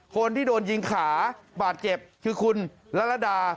คนที่โดนยิงขาบาดเจ็บคือคุณละระดา